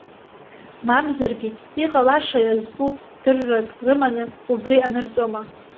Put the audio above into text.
Мамзаргьы, иҟалаша иазку дыррак рыманы, убри анырҵома?